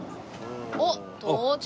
おっ到着！